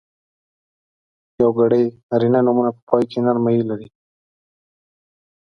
یوګړي نرينه نومونه په پای کې نرمه ی لري.